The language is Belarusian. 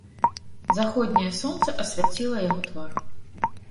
Заходняе сонца асвяціла яго твар.